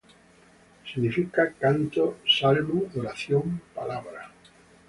Significa canto, salmo, oración, palabra.